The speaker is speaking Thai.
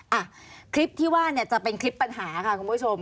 อ่ะคลิปที่ว่าเนี่ยจะเป็นคลิปปัญหาค่ะคุณผู้ชม